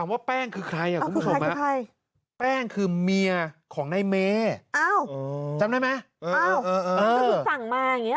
เอ้าเออถือสั่งมาอย่างนี้เหรอจำได้ไหม